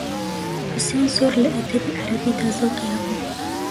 حوسێن زۆر لە ئەدەبی عەرەبیدا زەوقی هەبوو